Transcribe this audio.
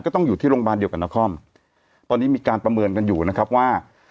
ก็ต้องอยู่ที่โรงพยาบาลเดียวกับนครตอนนี้มีการประเมินกันอยู่นะครับว่า